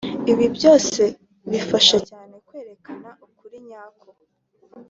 ibi byose bifasha cyane kwerekana ukuri nyako